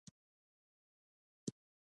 مصنوعي ځیرکتیا د انسان مسؤلیت نه ختموي.